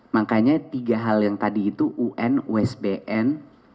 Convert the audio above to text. makanya tiga hal yang tadi itu un usbn